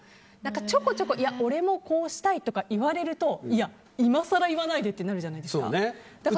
ちょこちょこ俺もこうしたいとか言われるといや、いまさら言わないでってなるじゃないですか。